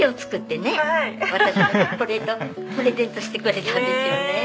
私にこれとプレゼントしてくれたんですよね。